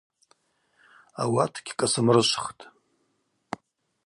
Ауат гькӏасымрышвхтӏ.